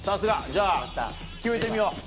じゃあ、決めてみよう。